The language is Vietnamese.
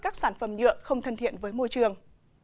các sản phẩm nhựa không thân thiện với môi trường